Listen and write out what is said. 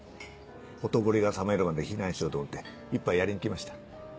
ほとぼりが冷めるまで避難しようと思って一杯やりにきました。